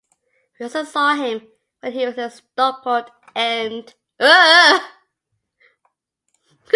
We also saw him when he was at Stockport and ...